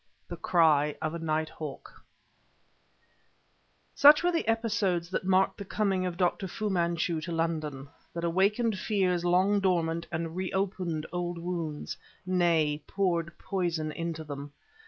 THE CRY OF A NIGHTHAWK Such were the episodes that marked the coming of Dr. Fu Manchu to London, that awakened fears long dormant and reopened old wounds nay, poured poison into them.